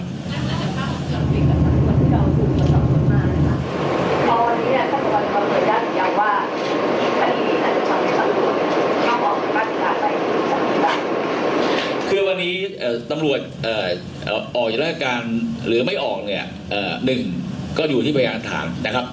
นักนักนักภารกิจกันมากกว่าที่เราคุยกับสำคัญมากนะครับ